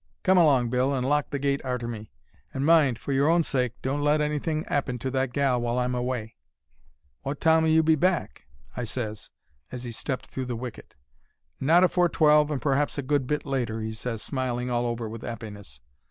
Come along, Bill, and lock the gate arter me. An' mind, for your own sake, don't let anything 'appen to that gal while I'm away.' "'Wot time'll you be back?' I ses, as 'e stepped through the wicket. "'Not afore twelve, and p'r'aps a good bit later,' he ses, smiling all over with 'appiness.